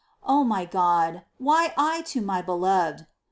6. O my God ! Why, " I to my Beloved